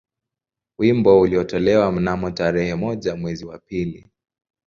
Wimbo ulitolewa mnamo tarehe moja mwezi wa pili